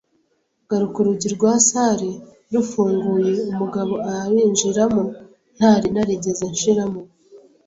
garuka urugi rwa salle rufunguye umugabo arinjiramo ntari narigeze nshiraho